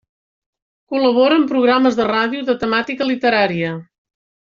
Col·labora en programes de ràdio de temàtica literària.